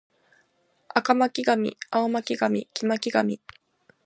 赤巻上青巻紙黄巻紙